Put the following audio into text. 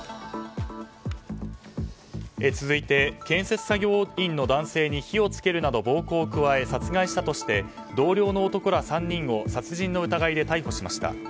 続いて、建設作業員の男性に火を付けるなど暴行を加え殺害したとして同僚の男ら３人を殺人の疑いで逮捕しました。